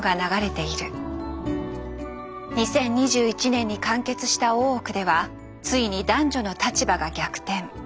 ２０２１年に完結した「大奥」ではついに男女の立場が逆転。